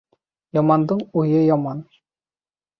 Ямандың уйы яман.